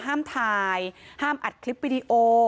ห้ามถ่ายห้ามอัดคลิปวิดีโอ